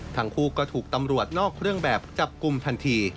ทั้งคู่ก็ถูกตำรวจนอกเครื่องแบบจับกลุ่มทันที